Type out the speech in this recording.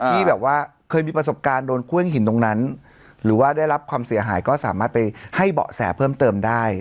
ที่แบบว่าเคยมีประสบการณ์โดนเครื่องหินตรงนั้นหรือว่าได้รับความเสียหายก็สามารถไปให้เบาะแสเพิ่มเติมได้